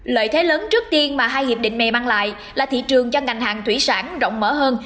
lợi thế lớn trước tiên mà hai hiệp định này mang lại là thị trường cho ngành hàng thủy sản rộng mở hơn